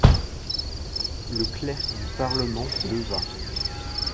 Le clerc du parlement se leva.